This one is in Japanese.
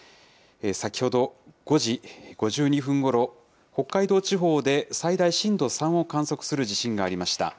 先ほど５時５２分ごろ、北海道地方で最大震度３を観測する地震がありました。